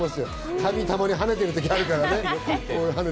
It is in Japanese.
髪、たまにハネている時あるからね。